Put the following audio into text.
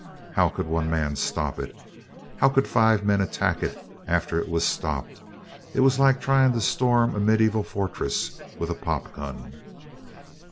How could one man stop it? How could five men attack it after it was stopped? It was like trying to storm a medieval fortress with a popgun.